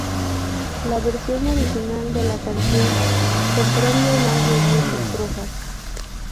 La versión original de la canción comprende más de diez estrofas.